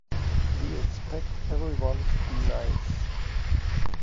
We expect everyone to be nice.